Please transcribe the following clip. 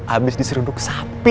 abis diseruduk sapi